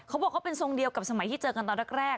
เขาบอกเขาเป็นทรงเดียวกับสมัยที่เจอกันตอนแรก